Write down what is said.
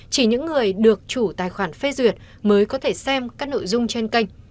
chỉ những người được chủ tài khoản facebook mới có thể xem các nội dung trên kênh